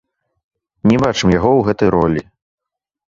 Не бачым яго ў гэтай ролі.